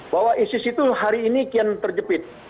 bahwa isis itu hari ini kian terjepit